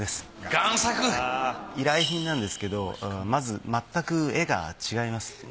依頼品なんですけどまずまったく絵が違います。